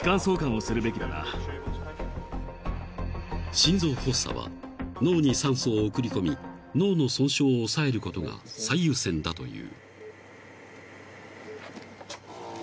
［心臓発作は脳に酸素を送り込み脳の損傷を抑えることが最優先だという］